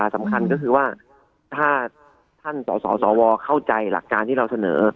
สำคัญก็คือว่าถ้าท่านสสวเข้าใจหลักการที่เราเสนอ